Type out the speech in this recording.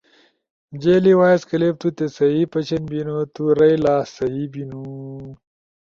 جیلی وائس کلپ تُوتے سہی پشن بینُو تُو رائیلا سہی ہینو۔